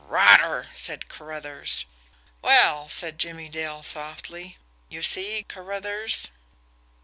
"Rotter!" said Carruthers. "Well," said Jimmie Dale softly. "You see Carruthers?"